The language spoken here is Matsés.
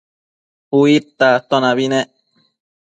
Uidta atonabi nec